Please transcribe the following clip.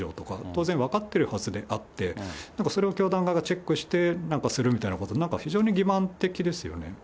当然、分かってるはずであって、なんかそれを教団側がチェックして、なんかするみたいな、なんか非常に欺まん的ですよね。